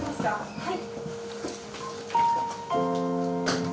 はい。